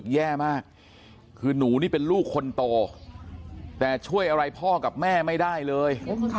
แย่มากคือหนูนี่เป็นลูกคนโตแต่ช่วยอะไรพ่อกับแม่ไม่ได้เลย